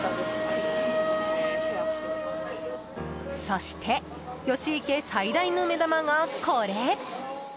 そして、吉池最大の目玉がこれ。